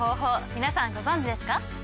皆さんご存じですか？